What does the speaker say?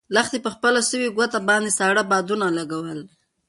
لښتې په خپله سوې ګوته باندې ساړه بادونه لګول.